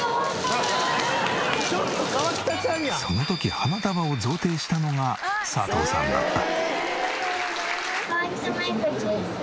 その時花束を贈呈したのが佐藤さんだった。